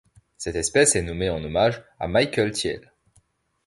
Cette espèce est nommée en hommage à Michael Thielle.